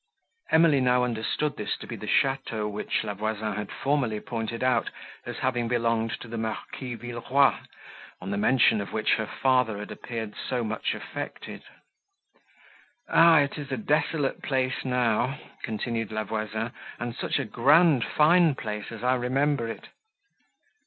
Emily now understood this to be the château, which La Voisin had formerly pointed out, as having belonged to the Marquis Villeroi, on the mention of which her father had appeared so much affected. "Ah! it is a desolate place now," continued La Voisin, "and such a grand, fine place, as I remember it!"